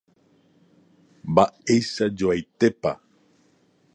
Mba'eichajoaitépa